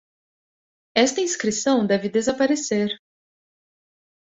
Esta inscrição deve desaparecer!